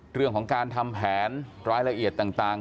เรื่องของการทำแผนรายละเอียดต่าง